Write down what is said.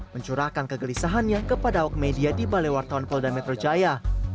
mencurahkan kegelisahannya kepada awak media di balai wartawan polda metro jaya